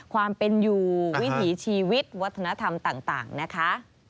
ความเป็นอยู่วิถีชีวิตวัฒนธรรมต่างนะคะ